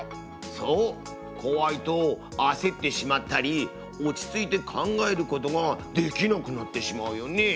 そうこわいとあせってしまったり落ち着いて考えることができなくなってしまうよね？